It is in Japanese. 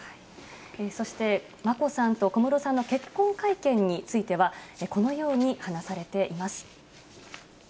そして、眞子さんと小室さんの結婚会見については、このように話されています。